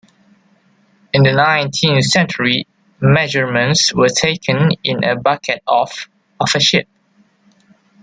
In the nineteenth century, measurements were taken in a bucket off of a ship.